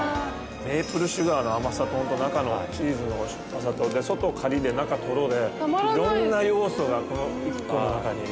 メイプルシュガーの甘さと中のチーズのしょっぱさと外カリっで中トロっでいろんな要素がこの１個の中に。